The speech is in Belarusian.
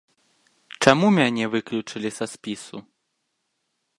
Чаму мяне выключылі са спісу?